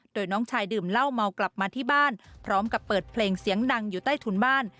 โดยน้องชายดื่มเหล้าเมากลับมาที่บ้านพร้อมกับเปิดเพลงเสียงดังอยู่ใต้ถุนบ้าน